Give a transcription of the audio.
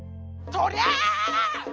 とりゃ。